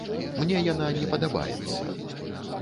Мне яна не падабаецца.